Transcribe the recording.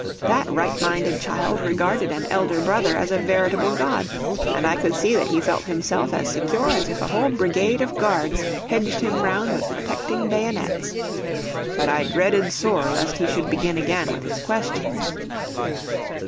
That right minded child regarded an elder brother as a veritable god; and I could see that he felt himself as secure as if a whole Brigade of Guards hedged him round with protecting bayonets. But I dreaded sore lest he should begin again with his questions.